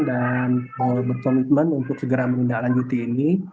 dan mau berkomitmen untuk segera menindaklanjuti ini